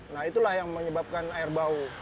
nah itulah yang menyebabkan air bau